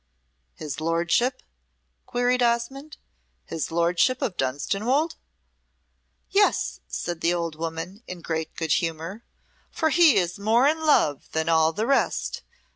"His lordship?" queried Osmonde; "his lordship of Dunstanwolde?" "Yes," said the old woman, in great good humour, "for he is more in love than all the rest.